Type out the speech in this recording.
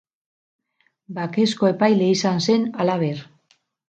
Bakezko epaile izan zen halaber.